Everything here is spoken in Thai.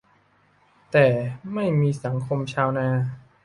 แต่ "ไม่มีสังคมชาวนา"